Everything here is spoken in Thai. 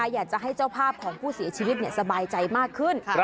อยากจะให้เจ้าภาพของผู้เสียชีวิตสบายใจมากขึ้น